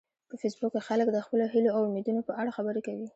په فېسبوک کې خلک د خپلو هیلو او امیدونو په اړه خبرې کوي